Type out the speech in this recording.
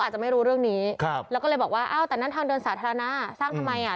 อาจจะไม่รู้เรื่องนี้ครับแล้วก็เลยบอกว่าอ้าวแต่นั่นทางเดินสาธารณะสร้างทำไมอ่ะ